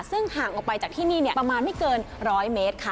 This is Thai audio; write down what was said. ซึ่งห่างออกไปจากที่นี่ประมาณไม่เกินร้อยเมตรค่ะ